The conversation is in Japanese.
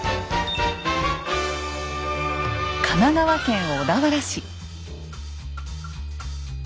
神奈川県小田原市。